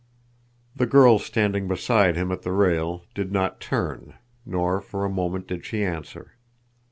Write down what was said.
The girl standing beside him at the rail did not turn, nor for a moment did she answer.